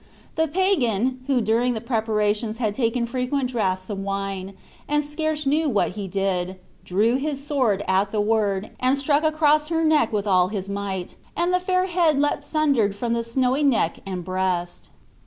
The pagan, who during the preparations had taken frequent draughts of wine, and scarce knew what he did, drew his sword at the word, and struck across her neck with all his might, and the fair head leapt sundered from the snowy neck and breast.